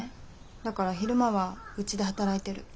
だから昼間はうちで働いてる。